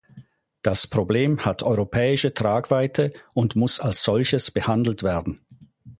Das Problem hat europäische Tragweite und muss als solches behandelt werden.